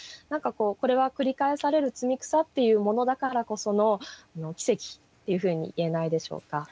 何かこうこれは繰り返される摘草っていうものだからこその奇跡っていうふうに言えないでしょうか。